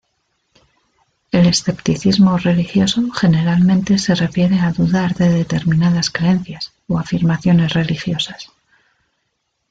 El escepticismo religioso generalmente se refiere a dudar de determinadas creencias o afirmaciones religiosas.